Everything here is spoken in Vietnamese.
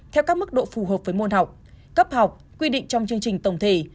theo các mức độ phù hợp với môn học cấp học quy định trong chương trình tổng thể